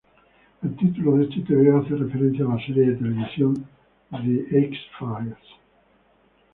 El título de este tebeo hace referencia a la serie de televisión "The X-Files".